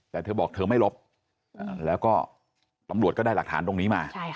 แต่เธอบอกเธอไม่ลบแล้วก็ตำรวจก็ได้หลักฐานตรงนี้มา